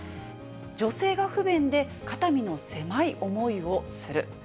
女性が不便で肩身の狭い思いをする。